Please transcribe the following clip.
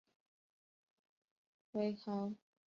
微睾短腺吸虫为双腔科短腺属的动物。